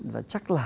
và chắc là